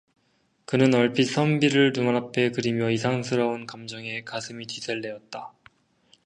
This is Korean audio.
그는 얼핏 선비를 눈앞에 그리며 이상스러운 감정에 가슴이 뒤설레었다.